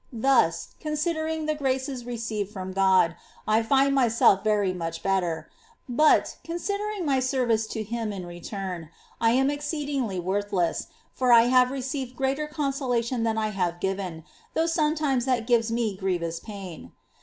Thus, considering the graces received from God, I find myself very much better ; but, considering my service to Him in return, I am exceedingly worthless, for I have received greater consola tion than I have given, though sometimes that gives me grievous pain.